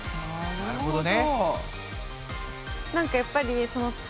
なるほどね。